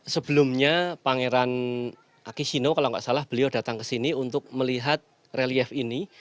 sebelumnya pangeran akishino kalau nggak salah beliau datang ke sini untuk melihat relief ini